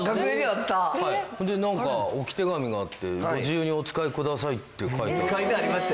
それで置き手紙があって「ご自由にお使いください」って書いてあった。